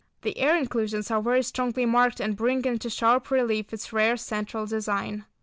The air inclusions are very strongly marked and bring into sharp relief its rare central design.